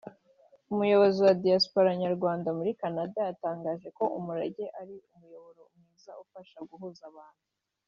Umuyobozi wa Diaspora Nyarwanda muri Canada yatangaje ko Umurage ari umuyoboro mwiza ufasha guhuza abantu